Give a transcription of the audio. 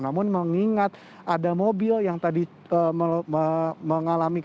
namun mengingat ada mobil yang tadi mengalami